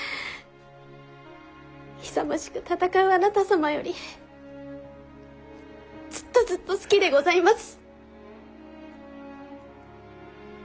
勇ましく戦うあなた様よりずっとずっと好きでございます。